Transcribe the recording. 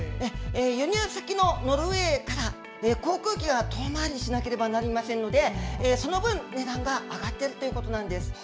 輸入先のノルウェーから航空機は遠回りしなければなりませんので、その分、値段が上がっているということなんです。